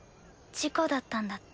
事故だったんだって。